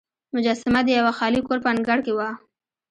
مجسمه د یوه خالي کور په انګړ کې وه.